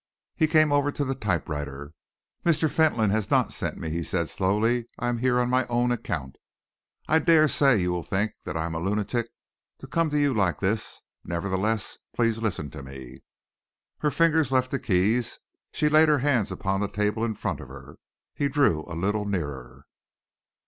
He came over to the typewriter. "Mr. Fentolin has not sent me," he said slowly. "I am here on my own account. I dare say you will think that I am a lunatic to come to you like this. Nevertheless, please listen to me." Her fingers left the keys. She laid her hands upon the table in front of her. He drew a little nearer.